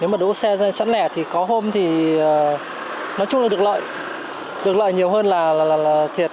nếu mà đỗ xe sẵn lẻ thì có hôm thì nói chung là được lợi được lợi nhiều hơn là thiệt